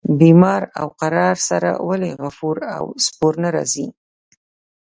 بیمار او قرار سره ولي غفور او سپور نه راځي.